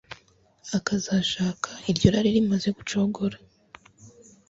akazashaka iryo rari rimaze gucogora